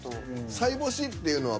さいぼしっていうのは。